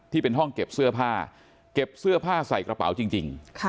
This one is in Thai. ที่เป็นห้องเก็บเสื้อผ้าเก็บเสื้อผ้าใส่กระเป๋าจริง